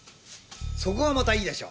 そこがまたいいでしょ？